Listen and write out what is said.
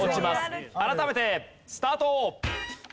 改めてスタート！